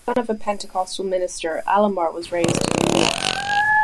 The son of a Pentecostal minister, Alomar was raised in New York.